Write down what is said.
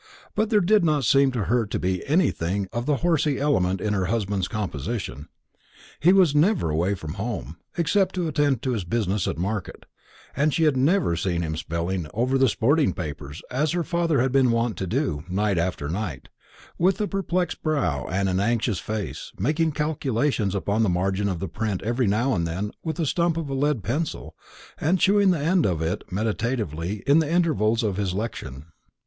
But there did not seem to her to be anything of the horsey element in her husband's composition. He was never away from home, except to attend to his business at market; and she had never seen him spelling over the sporting papers, as her father had been wont to do, night after night, with a perplexed brow and an anxious face, making calculations upon the margin of the print every now and then with a stump of lead pencil, and chewing the end of it meditatively in the intervals of his lection.